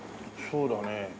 そうだね。